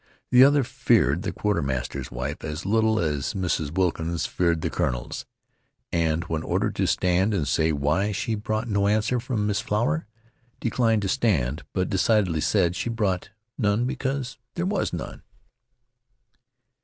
The other feared the quartermaster's wife as little as Mrs. Wilkins feared the colonel's, and, when ordered to stand and say why she brought no answer from Miss Flower, declined to stand, but decidedly said she brought none because there was none.